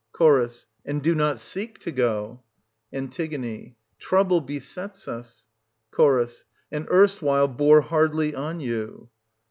Ch. And do not seek to go. An. Trouble besets us. Ch. And erstwhile bore hardly on you.